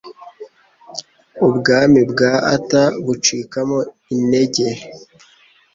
ubwami bwa Arthur bucikamo intege.